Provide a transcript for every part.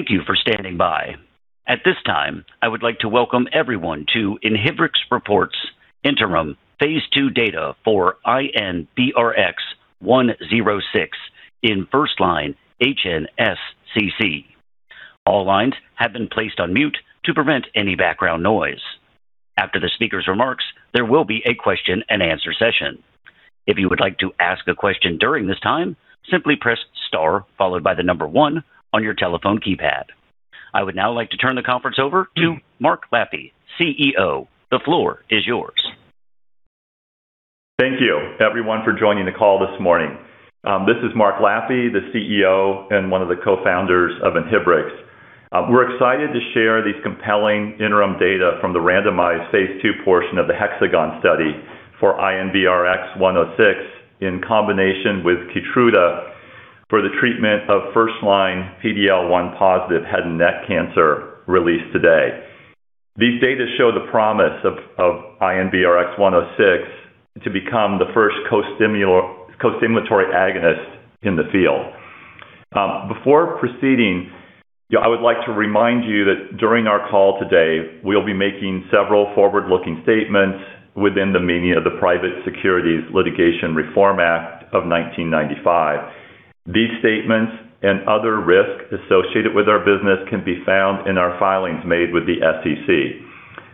Thank you for standing by. At this time, I would like to welcome everyone to Inhibrx Reports Interim phase II Data for INBRX-106 in first-line HNSCC. All lines have been placed on mute to prevent any background noise. After the speaker's remarks, there will be a question and answer session. If you would like to ask a question during this time, simply press star followed by the number one on your telephone keypad. I would now like to turn the conference over to Mark Lappe, CEO. The floor is yours. Thank you, everyone, for joining the call this morning. This is Mark Lappe, the CEO and one of the co-founders of Inhibrx. We're excited to share these compelling interim data from the randomized phase II portion of the HexAgon study for INBRX-106 in combination with KEYTRUDA for the treatment of first-line PD-L1-positive head and neck cancer released today. These data show the promise of INBRX-106 to become the first costimulatory agonist in the field. Before proceeding, you know, I would like to remind you that during our call today, we'll be making several forward-looking statements within the meaning of the Private Securities Litigation Reform Act of 1995. These statements and other risks associated with our business can be found in our filings made with the SEC.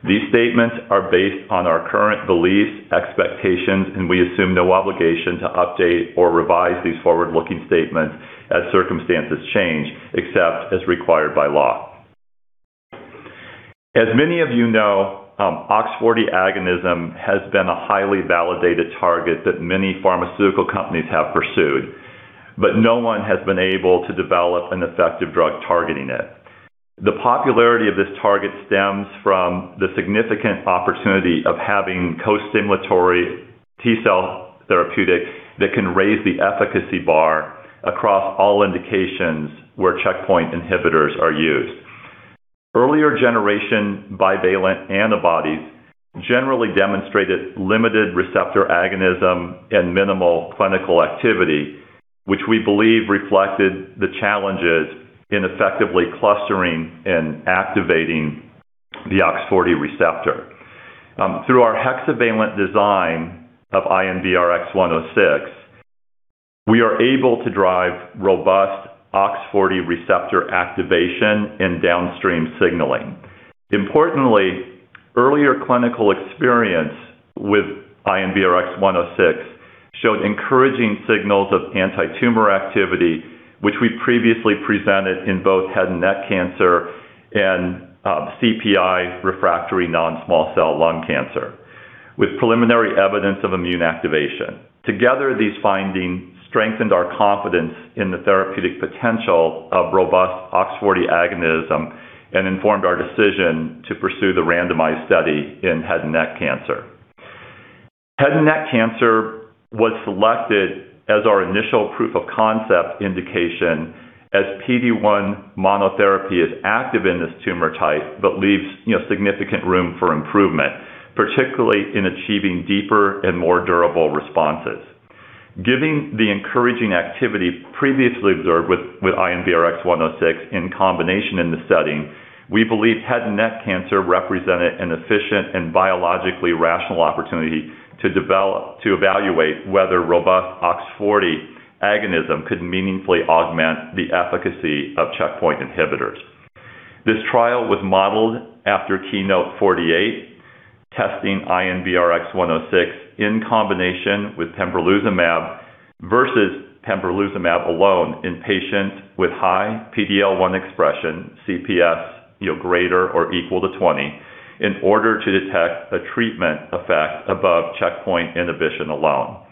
These statements are based on our current beliefs, expectations, and we assume no obligation to update or revise these forward-looking statements as circumstances change, except as required by law. As many of you know, OX40 agonism has been a highly validated target that many pharmaceutical companies have pursued, but no one has been able to develop an effective drug targeting it. The popularity of this target stems from the significant opportunity of having costimulatory T-cell therapeutics that can raise the efficacy bar across all indications where checkpoint inhibitors are used. Earlier generation bivalent antibodies generally demonstrated limited receptor agonism and minimal clinical activity, which we believe reflected the challenges in effectively clustering and activating the OX40 receptor. Through our hexavalent design of INBRX-106, we are able to drive robust OX40 receptor activation and downstream signaling. Importantly, earlier clinical experience with INBRX-106 showed encouraging signals of antitumor activity, which we previously presented in both head and neck cancer and CPI refractory non-small cell lung cancer with preliminary evidence of immune activation. Together, these findings strengthened our confidence in the therapeutic potential of robust OX40 agonism and informed our decision to pursue the randomized study in head and neck cancer. Head and neck cancer was selected as our initial proof of concept indication as PD-1 monotherapy is active in this tumor type but leaves, you know, significant room for improvement, particularly in achieving deeper and more durable responses. Given the encouraging activity previously observed with INBRX-106 in combination in this setting, we believe head and neck cancer represented an efficient and biologically rational opportunity to evaluate whether robust OX40 agonism could meaningfully augment the efficacy of checkpoint inhibitors. This trial was modeled after KEYNOTE-048, testing INBRX-106 in combination with pembrolizumab versus pembrolizumab alone in patients with high PD-L1 expression CPS, you know, greater or equal to 20 in order to detect a treatment effect above checkpoint inhibition alone.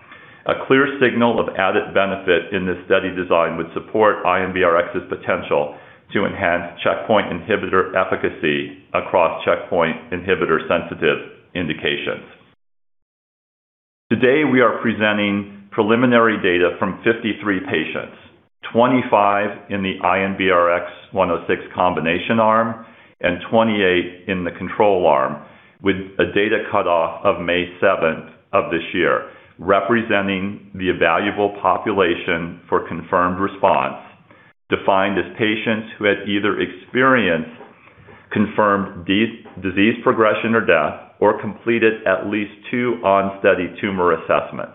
A clear signal of added benefit in this study design would support Inhibrx's potential to enhance checkpoint inhibitor efficacy across checkpoint inhibitor sensitive indications. Today, we are presenting preliminary data from 53 patients, 25 in the INBRX-106 combination arm and 28 in the control arm with a data cutoff of May 7th of this year, representing the evaluable population for confirmed response defined as patients who had either experienced confirmed disease progression or death or completed at least two on study tumor assessments.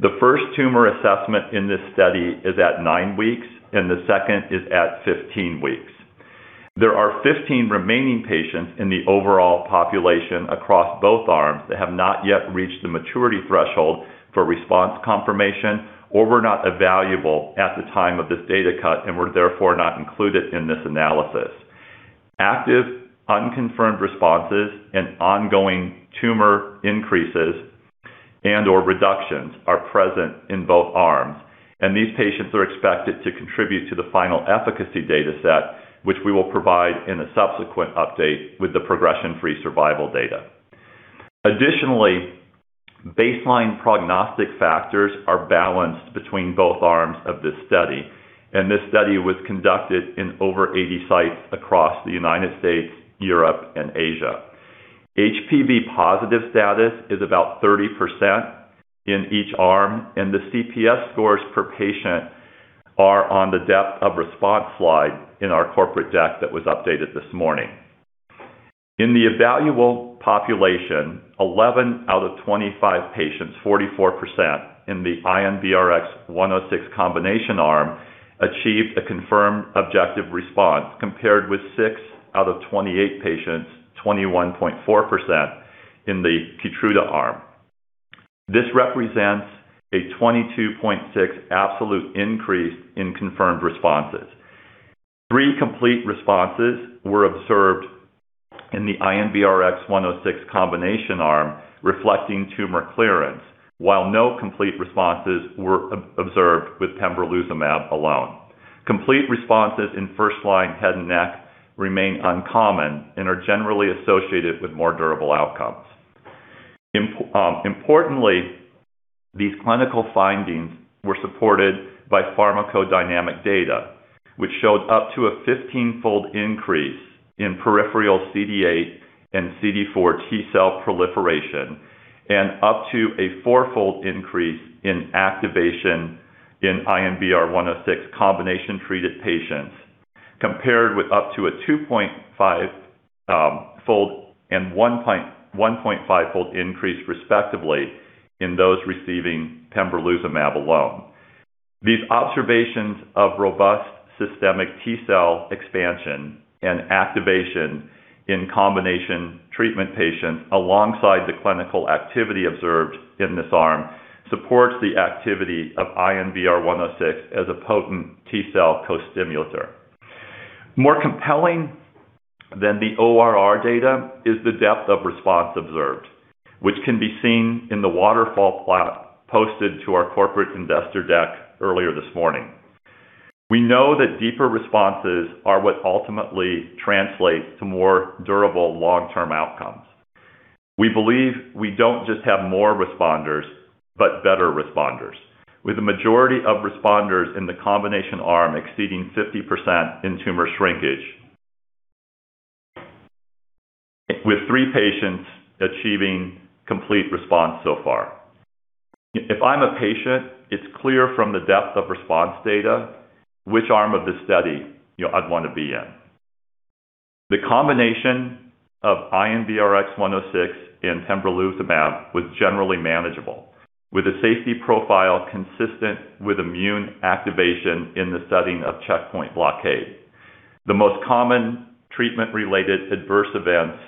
The first tumor assessment in this study is at nine weeks, and the second is at 15 weeks. There are 15 remaining patients in the overall population across both arms that have not yet reached the maturity threshold for response confirmation or were not evaluable at the time of this data cut and were therefore not included in this analysis. Active unconfirmed responses and ongoing tumor increases and/or reductions are present in both arms, and these patients are expected to contribute to the final efficacy data set, which we will provide in a subsequent update with the progression-free survival data. Additionally, baseline prognostic factors are balanced between both arms of this study, and this study was conducted in over 80 sites across the U.S., Europe, and Asia. HPV positive status is about 30% in each arm, and the CPS scores per patient are on the depth of response slide in our corporate deck that was updated this morning. In the evaluable population, 11 out of 25 patients, 44% in the INBRX-106 combination arm achieved a confirmed objective response compared with six out of 28 patients, 21.4% in the KEYTRUDA arm. This represents a 22.6 absolute increase in confirmed responses. Three complete responses were observed in the INBRX-106 combination arm reflecting tumor clearance, while no complete responses were observed with pembrolizumab alone. Complete responses in first-line head and neck remain uncommon and are generally associated with more durable outcomes. Importantly, these clinical findings were supported by pharmacodynamic data, which showed up to a 15-fold increase in peripheral CD8 and CD4 T cell proliferation and up to a four-fold increase in activation in INBRX-106 combination treated patients compared with up to a 2.5-fold and 1.5-fold increase respectively in those receiving pembrolizumab alone. These observations of robust systemic T cell expansion and activation in combination treatment patients alongside the clinical activity observed in this arm supports the activity of INBRX-106 as a potent T cell co-stimulator. More compelling than the ORR data is the depth of response observed, which can be seen in the waterfall plot posted to our corporate investor deck earlier this morning. We know that deeper responses are what ultimately translate to more durable long-term outcomes. We believe we don't just have more responders, but better responders, with the majority of responders in the combination arm exceeding 50% in tumor shrinkage, with three patients achieving complete response so far. If I'm a patient, it's clear from the depth of response data which arm of the study, you know, I'd want to be in. The combination of INBRX-106 and pembrolizumab was generally manageable, with a safety profile consistent with immune activation in the setting of checkpoint blockade. The most common treatment-related adverse events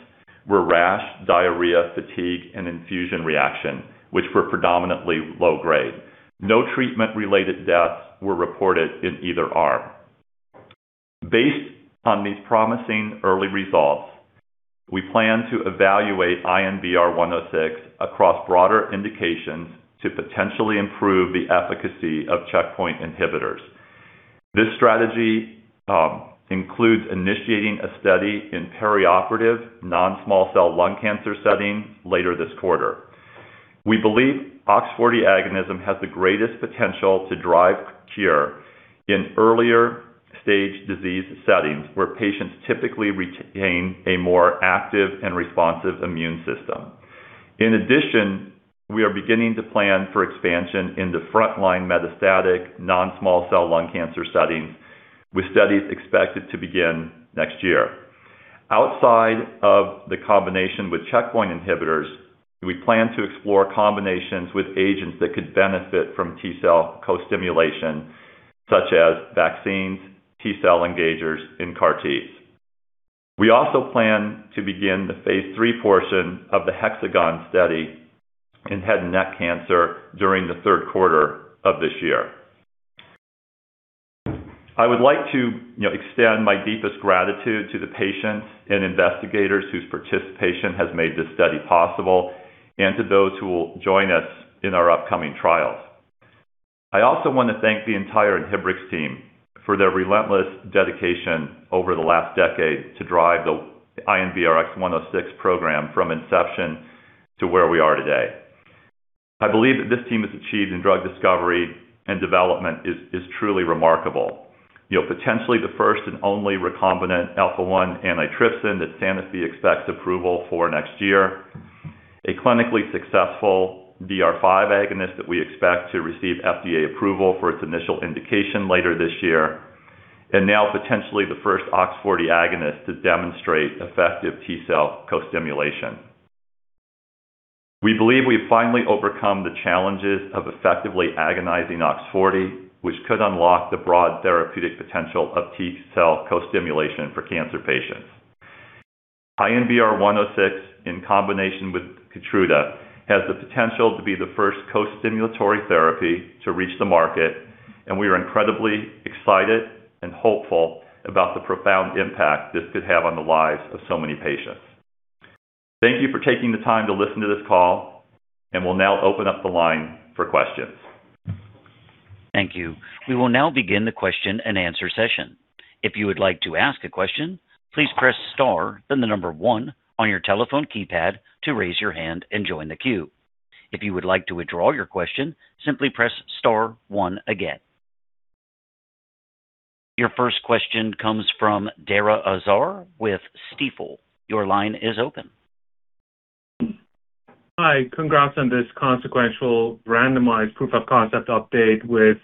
were rash, diarrhea, fatigue, and infusion reaction, which were predominantly low grade. No treatment-related deaths were reported in either arm. Based on these promising early results, we plan to evaluate INBRX-106 across broader indications to potentially improve the efficacy of checkpoint inhibitors. This strategy includes initiating a study in perioperative non-small cell lung cancer setting later this quarter. We believe OX40 agonism has the greatest potential to drive cure in earlier stage disease settings where patients typically retain a more active and responsive immune system. We are beginning to plan for expansion into frontline metastatic non-small cell lung cancer settings, with studies expected to begin next year. Outside of the combination with checkpoint inhibitors, we plan to explore combinations with agents that could benefit from T cell co-stimulation, such as vaccines, T cell engagers and CAR-Ts. We also plan to begin the phase III portion of the HexAgon study in head and neck cancer during the third quarter of this year. I would like to, you know, extend my deepest gratitude to the patients and investigators whose participation has made this study possible and to those who will join us in our upcoming trials. I also want to thank the entire Inhibrx team for their relentless dedication over the last decade to drive the INBRX-106 program from inception to where we are today. I believe that this team has achieved in drug discovery and development is truly remarkable. You know, potentially the first and only recombinant alpha-1 antitrypsin that Sanofi expects approval for next year, a clinically successful DR5 agonist that we expect to receive FDA approval for its initial indication later this year, and now potentially the first OX40 agonist to demonstrate effective T cell co-stimulation. We believe we've finally overcome the challenges of effectively agonizing OX40, which could unlock the broad therapeutic potential of T cell co-stimulation for cancer patients. INBRX-106 in combination with KEYTRUDA has the potential to be the first co-stimulatory therapy to reach the market, and we are incredibly excited and hopeful about the profound impact this could have on the lives of so many patients. Thank you for taking the time to listen to this call, and we'll now open up the line for questions. Thank you. We will now begin the question and answer session. If you would like to ask a question, please press star, then the number one on your telephone keypad to raise your hand and join the queue. If you would like to withdraw your question, simply press star one again. Your first question comes from Dara Azar with Stifel. Your line is open. Hi. Congrats on this consequential randomized proof of concept update with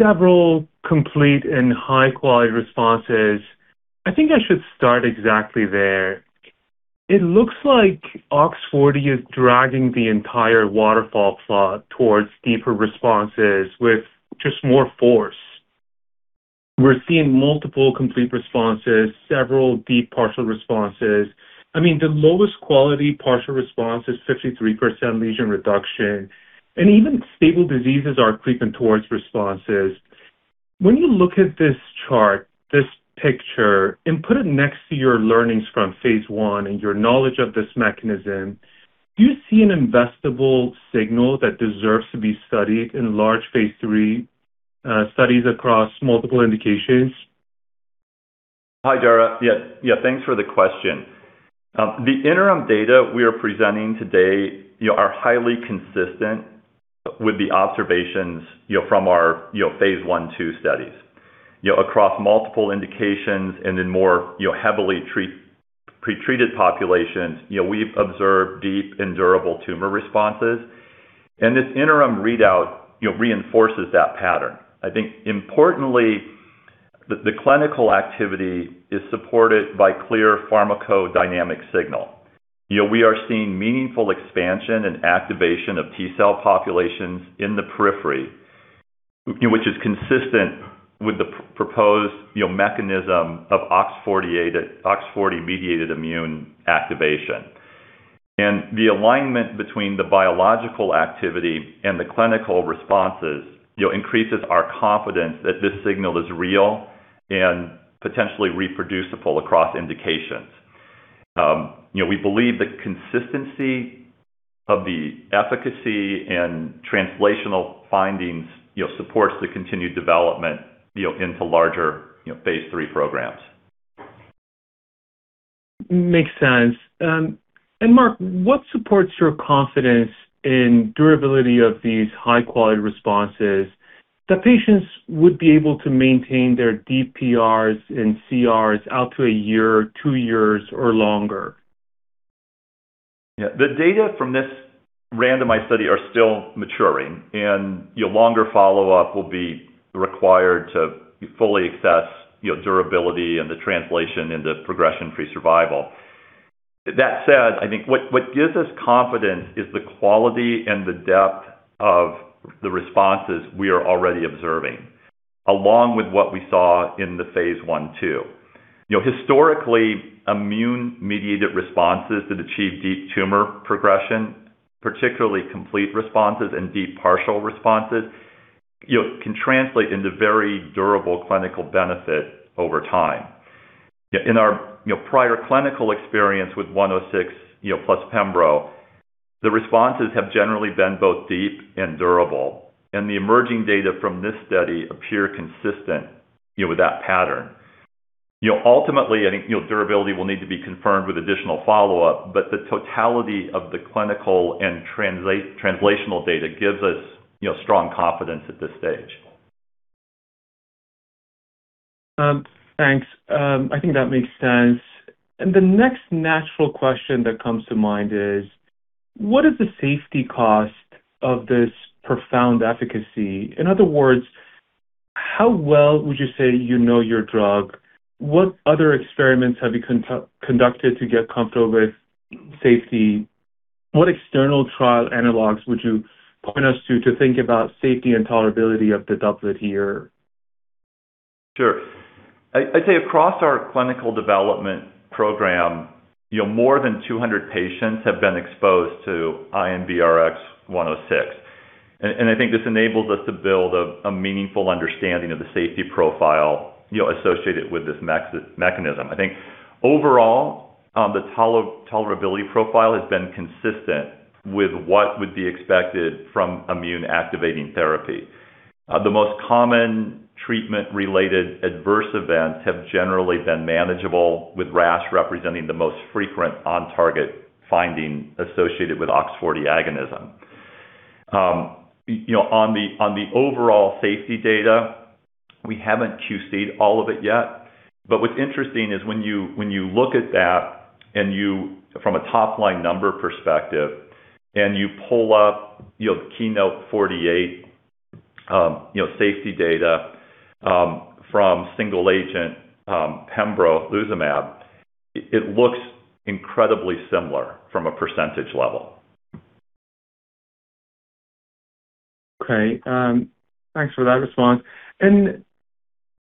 several complete and high-quality responses. I think I should start exactly there. It looks like OX40 is dragging the entire waterfall plot towards deeper responses with just more force. We're seeing multiple complete responses, several deep partial responses. I mean, the lowest quality partial response is 53% lesion reduction, and even stable diseases are creeping towards responses. When you look at this chart, this picture, and put it next to your learnings from phase I and your knowledge of this mechanism, do you see an investable signal that deserves to be studied in large phase III studies across multiple indications? Hi, Dara. Yeah, thanks for the question. The interim data we are presenting today, you know, are highly consistent with the observations, you know, from our, you know, phase I, phase II studies. You know, across multiple indications and in more, you know, heavily pre-treated populations, you know, we've observed deep and durable tumor responses. This interim readout, you know, reinforces that pattern. I think importantly, the clinical activity is supported by clear pharmacodynamic signal. You know, we are seeing meaningful expansion and activation of T cell populations in the periphery, which is consistent with the proposed, you know, mechanism of OX40-mediated immune activation. The alignment between the biological activity and the clinical responses, you know, increases our confidence that this signal is real and potentially reproducible across indications. You know, we believe the consistency of the efficacy and translational findings, you know, supports the continued development, you know, into larger, you know, phase III programs. Makes sense. Mark, what supports your confidence in durability of these high-quality responses that patients would be able to maintain their deep PRs and CRs out to one year, two years or longer? Yeah. The data from this randomized study are still maturing, and, you know, longer follow-up will be required to fully assess, you know, durability and the translation into progression-free survival. That said, I think what gives us confidence is the quality and the depth of the responses we are already observing, along with what we saw in the phase I/II. You know, historically, immune-mediated responses that achieve deep tumor progression, particularly complete responses and deep partial responses, you know, can translate into very durable clinical benefit over time. In our, you know, prior clinical experience with INBRX-106, you know, plus pembrolizumab, the responses have generally been both deep and durable, and the emerging data from this study appear consistent, you know, with that pattern. You know, ultimately, I think, you know, durability will need to be confirmed with additional follow-up, but the totality of the clinical and translational data gives us, you know, strong confidence at this stage. Thanks. I think that makes sense. The next natural question that comes to mind is, what is the safety cost of this profound efficacy? In other words, how well would you say you know your drug? What other experiments have you conducted to get comfortable with safety? What external trial analogs would you point us to think about safety and tolerability of the doublet here? Sure. I'd say across our clinical development program, you know, more than 200 patients have been exposed to INBRX-106. I think this enables us to build a meaningful understanding of the safety profile, you know, associated with this mechanism. I think overall, the tolerability profile has been consistent with what would be expected from immune-activating therapy. The most common treatment-related adverse events have generally been manageable, with rash representing the most frequent on-target finding associated with OX40 agonism. You know, on the overall safety data, we haven't QC'd all of it yet. What's interesting is when you look at that and from a top-line number perspective, and you pull up, you know, the KEYNOTE-048, you know, safety data, from single-agent, pembrolizumab, it looks incredibly similar from a percentage level. Okay. thanks for that response.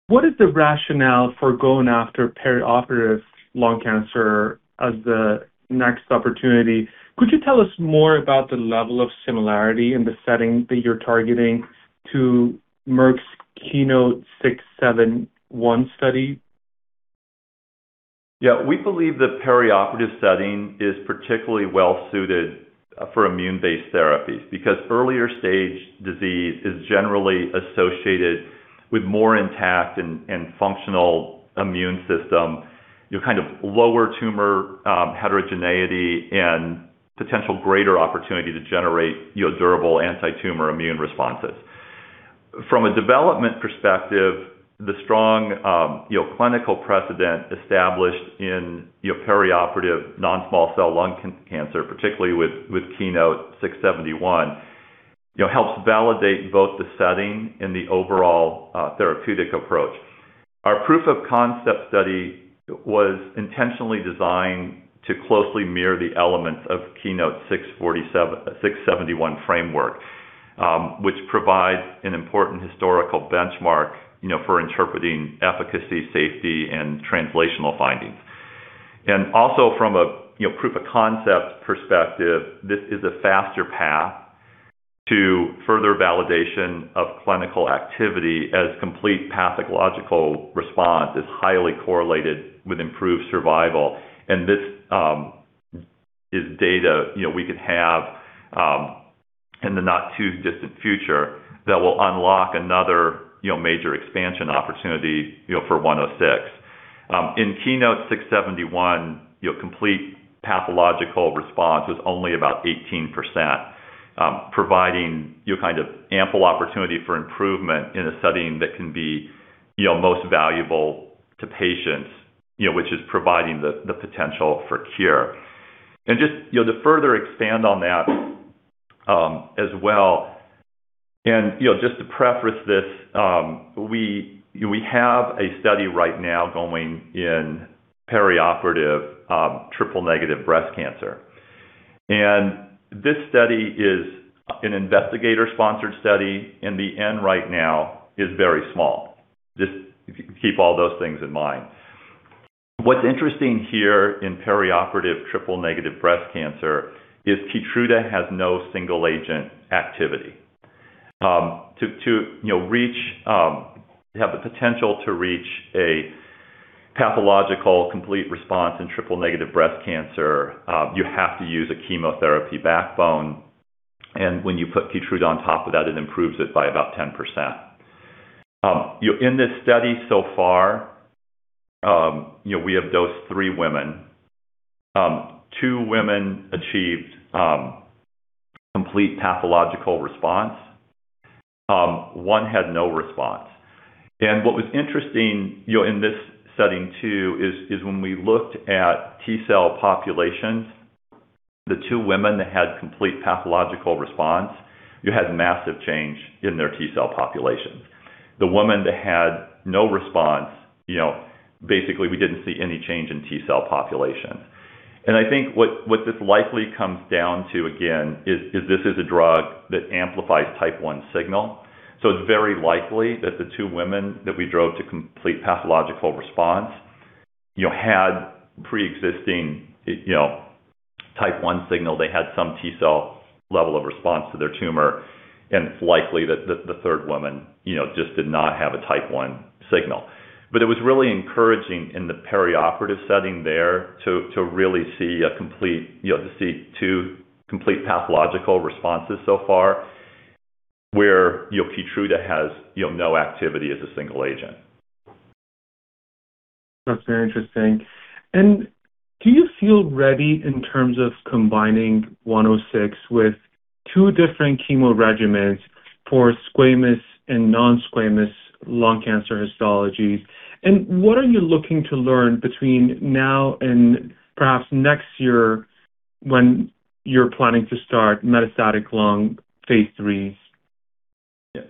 What is the rationale for going after perioperative lung cancer as the next opportunity? Could you tell us more about the level of similarity in the setting that you're targeting to Merck's KEYNOTE-671 study? Yeah. We believe the perioperative setting is particularly well suited for immune-based therapies because earlier stage disease is generally associated with more intact and functional immune system, you know, kind of lower tumor heterogeneity and potential greater opportunity to generate, you know, durable antitumor immune responses. From a development perspective, the strong, you know, clinical precedent established in, you know, perioperative non-small cell lung cancer, particularly with KEYNOTE-671, you know, helps validate both the setting and the overall therapeutic approach. Our proof of concept study was intentionally designed to closely mirror the elements of KEYNOTE-671 framework, which provides an important historical benchmark, you know, for interpreting efficacy, safety, and translational findings. Also from a, you know, proof of concept perspective, this is a faster path to further validation of clinical activity as complete pathological response is highly correlated with improved survival. This is data, you know, we could have in the not too distant future that will unlock another, you know, major expansion opportunity, you know, for INBRX-106. In KEYNOTE-671, you know, complete pathological response was only about 18%, providing you kind of ample opportunity for improvement in a setting that can be, you know, most valuable to patients, you know, which is providing the potential for cure. Just, you know, to further expand on that as well, and, you know, just to preface this, we have a study right now going in perioperative triple negative breast cancer. This study is an investigator-sponsored study, and the N right now is very small. Just keep all those things in mind. What's interesting here in perioperative triple negative breast cancer is KEYTRUDA has no single agent activity. To, you know, have the potential to reach a pathological complete response in triple negative breast cancer, you have to use a chemotherapy backbone, and when you put KEYTRUDA on top of that, it improves it by about 10%. You know, in this study so far, you know, we have dosed three women. Two women achieved complete pathological response. One had no response. What was interesting, you know, in this setting too is when we looked at T cell populations, the two women that had complete pathological response, you know, had massive change in their T cell populations. The woman that had no response, you know, basically, we didn't see any change in T cell population. I think what this likely comes down to, again, is this is a drug that amplifies type 1 signal. It's very likely that the two women that we drove to complete pathological response, you know, had preexisting, you know, type 1 signal. They had some T cell level of response to their tumor, and it's likely that the third woman, you know, just did not have a type 1 signal. It was really encouraging in the perioperative setting there to really see a complete, you know, two complete pathological responses so far where, you know, KEYTRUDA has, you know, no activity as a single agent. That's very interesting. Do you feel ready in terms of combining INBRX-106 with two different chemo regimens for squamous and non-squamous lung cancer histologies? What are you looking to learn between now and perhaps next year when you're planning to start metastatic lung phase III? Yeah.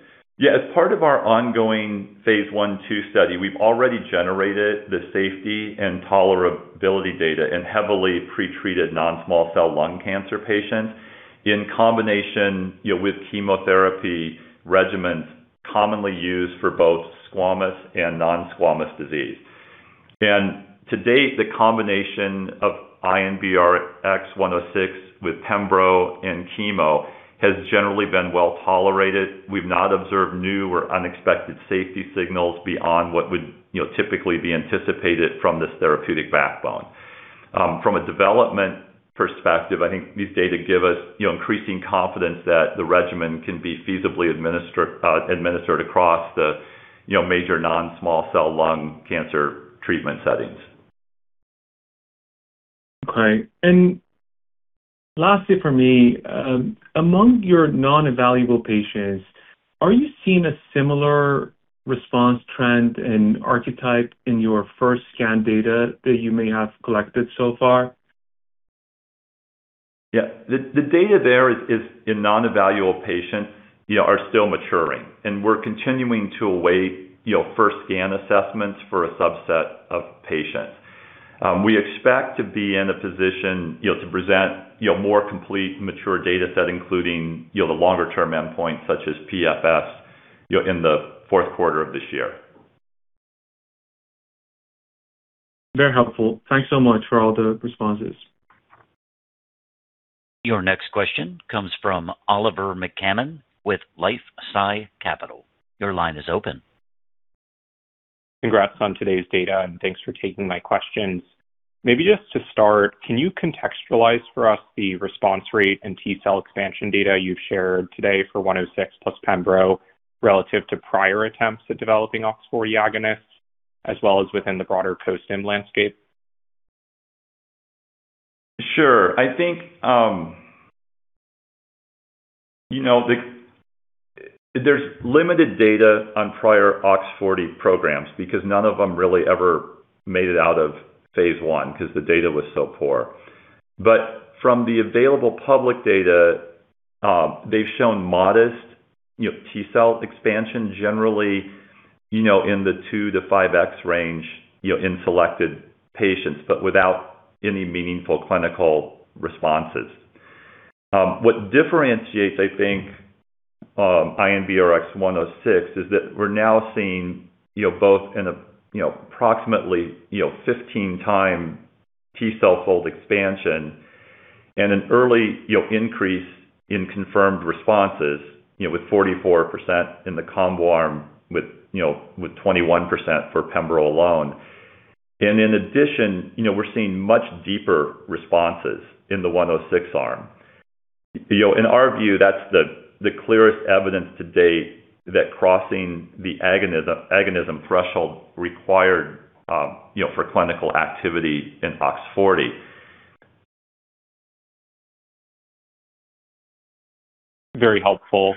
As part of our ongoing phase I/II study, we've already generated the safety and tolerability data in heavily pretreated non-small cell lung cancer patients in combination, you know, with chemotherapy regimens commonly used for both squamous and non-squamous disease. To date, the combination of INBRX-106 with pembro and chemo has generally been well-tolerated. We've not observed new or unexpected safety signals beyond what would, you know, typically be anticipated from this therapeutic backbone. From a development perspective, I think these data give us, you know, increasing confidence that the regimen can be feasibly administered across the, you know, major non-small cell lung cancer treatment settings. Okay. Lastly from me, among your non-evaluable patients, are you seeing a similar response trend and archetype in your first scan data that you may have collected so far? Yeah. The data there is in non-evaluable patients, you know, are still maturing. We're continuing to await, you know, first scan assessments for a subset of patients. We expect to be in a position, you know, to present, you know, more complete mature data set, including, you know, the longer-term endpoints such as PFS, you know, in the fourth quarter of this year. Very helpful. Thanks so much for all the responses. Your next question comes from Oliver McCammon with LifeSci Capital. Your line is open. Congrats on today's data, and thanks for taking my questions. Maybe just to start, can you contextualize for us the response rate and T cell expansion data you've shared today for INBRX-106 plus pembrolizumab relative to prior attempts at developing OX40 agonist? As well as within the broader co-stimulation landscape. Sure. I think, you know, there's limited data on prior OX40 programs because none of them really ever made it out of phase I 'cause the data was so poor. From the available public data, they've shown modest, you know, T-cell expansion generally, you know, in the 2x-5x range, you know, in selected patients, but without any meaningful clinical responses. What differentiates, I think, INBRX-106 is that we're now seeing, you know, both in a, you know, approximately, you know, 15-time T-cell fold expansion and an early, you know, increase in confirmed responses, you know, with 44% in the combo arm with, you know, with 21% for pembro alone. In addition, you know, we're seeing much deeper responses in the INBRX-106 arm. You know, in our view, that's the clearest evidence to date that crossing the agonism threshold required, you know, for clinical activity in OX40. Very helpful.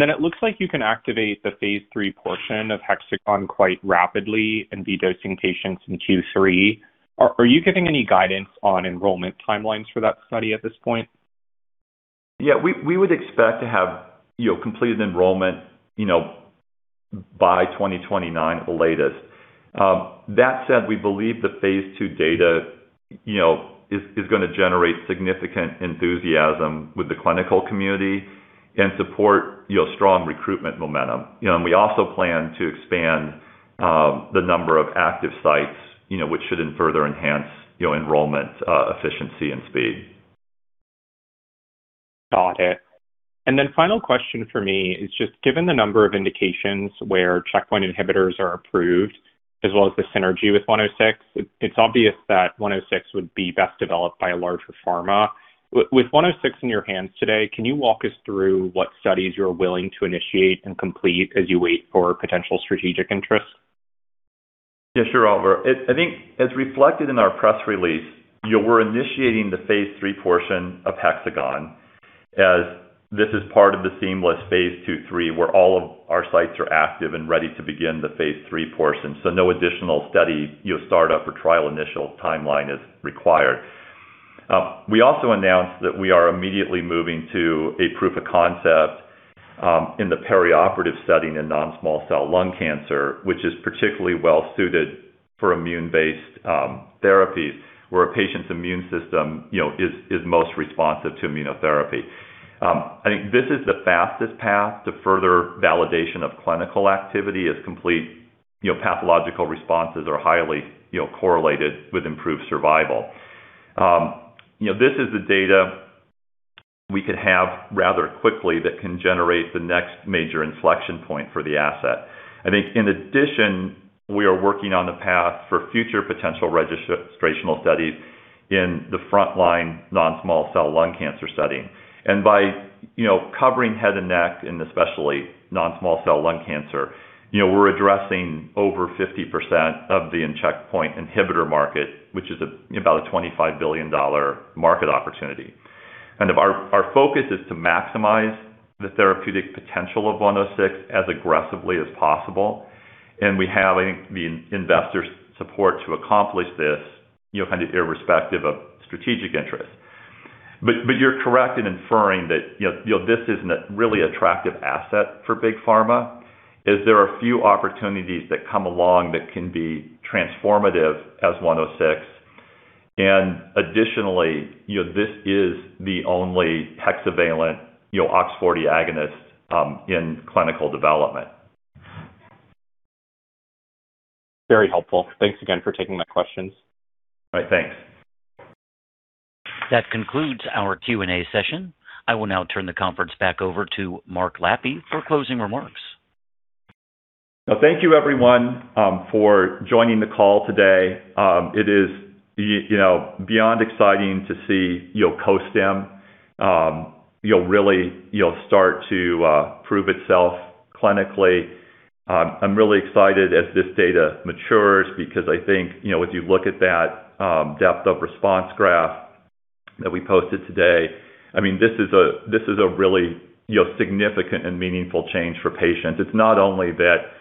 It looks like you can activate the phase III portion of HexAgon quite rapidly and be dosing patients in Q3. Are you giving any guidance on enrollment timelines for that study at this point? Yeah. We would expect to have, you know, completed enrollment, you know, by 2029 at the latest. That said, we believe the phase II data, you know, is gonna generate significant enthusiasm with the clinical community and support, you know, strong recruitment momentum. We also plan to expand the number of active sites, you know, which should then further enhance, you know, enrollment efficiency and speed. Final question for me is just given the number of indications where checkpoint inhibitors are approved, as well as the synergy with INBRX-106, it's obvious that INBRX-106 would be best developed by a larger pharma. With INBRX-106 in your hands today, can you walk us through what studies you're willing to initiate and complete as you wait for potential strategic interest? Yeah, sure, Oliver. I think as reflected in our press release, you know, we're initiating the phase III portion of HexAgon, as this is part of the seamless phase II/III, where all of our sites are active and ready to begin the phase III portion. We also announced that we are immediately moving to a proof of concept in the perioperative setting in non-small cell lung cancer, which is particularly well-suited for immune-based therapies, where a patient's immune system, you know, is most responsive to immunotherapy. I think this is the fastest path to further validation of clinical activity as complete, you know, pathological responses are highly, you know, correlated with improved survival. You know, this is the data we could have rather quickly that can generate the next major inflection point for the asset. I think in addition, we are working on the path for future potential registrational studies in the front line non-small cell lung cancer setting. By, you know, covering head and neck and especially non-small cell lung cancer, you know, we're addressing over 50% of the checkpoint inhibitor market, which is about a $25 billion market opportunity. Of our focus is to maximize the therapeutic potential of INBRX-106 as aggressively as possible, and we have, I think, the investors support to accomplish this, you know, kind of irrespective of strategic interest. You're correct in inferring that, you know, this is a really attractive asset for big pharma, is there are a few opportunities that come along that can be transformative as INBRX-106. Additionally, you know, this is the only hexavalent, you know, OX40 agonist in clinical development. Very helpful. Thanks again for taking my questions. All right. Thanks. That concludes our Q&A session. I will now turn the conference back over to Mark Lappe for closing remarks. Thank you everyone, for joining the call today. It is, you know, beyond exciting to see, you know, co-stimulation, you know, really, you know, start to prove itself clinically. I'm really excited as this data matures because I think, you know, if you look at that, depth of response graph that we posted today, I mean, this is a really, you know, significant and meaningful change for patients. It's not only that,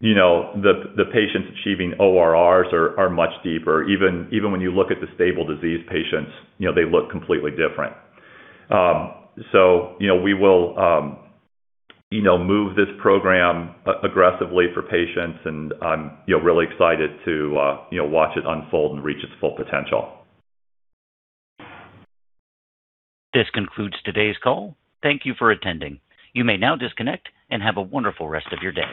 you know, the patients achieving ORRs are much deeper. Even, even when you look at the stable disease patients, you know, they look completely different. We will, you know, move this program aggressively for patients, and I'm, you know, really excited to, you know, watch it unfold and reach its full potential. This concludes today's call. Thank you for attending. You may now disconnect and have a wonderful rest of your day.